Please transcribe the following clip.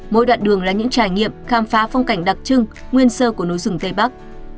mỗi đoạn đường là những trải nghiệm khám phá phong cảnh đặc trưng nguyên sơ của núi rừng tây bắc